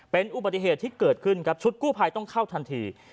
เป็นอุบัติเหตุที่เกิดขึ้นครับชุดกู้ภัยต้องเข้าทันที